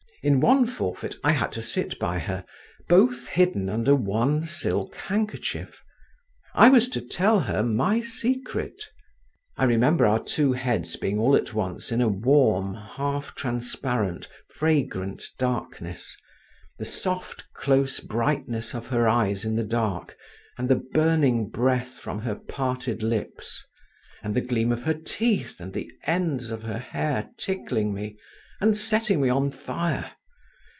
In one forfeit, I had to sit by her, both hidden under one silk handkerchief: I was to tell her my secret. I remember our two heads being all at once in a warm, half transparent, fragrant darkness, the soft, close brightness of her eyes in the dark, and the burning breath from her parted lips, and the gleam of her teeth and the ends of her hair tickling me and setting me on fire.